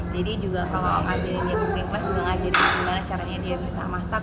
jadi juga kalau ngajarin dia ke klas juga ngajarin gimana caranya dia bisa masak